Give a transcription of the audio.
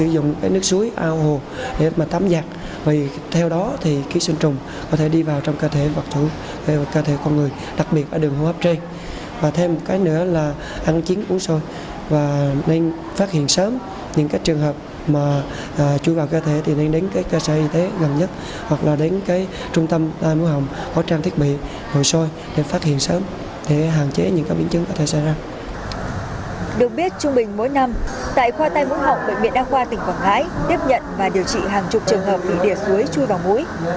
được biết trung bình mỗi năm tại khoa tay mũi họng bệnh viện đa khoa tỉnh quảng ngãi tiếp nhận và điều trị hàng chục trường hợp bị đỉa suối chui vào mũi